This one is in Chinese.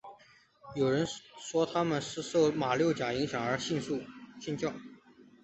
有人说他们是受马六甲影响而信教。